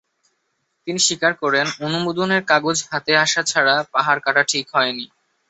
তিনি স্বীকার করেন, অনুমোদনের কাগজ হাতে আসা ছাড়া পাহাড় কাটা ঠিক হয়নি।